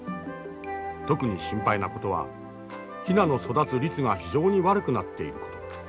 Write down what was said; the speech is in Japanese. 特に心配なことはヒナの育つ率が非常に悪くなっていること。